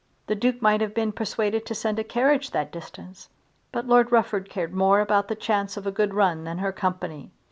The Duke might have been persuaded to send a carriage that distance. But Lord Rufford cared more about the chance of a good run than her company!